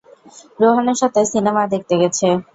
রোহানের সাথে সিনেমা দেখতে গেছে।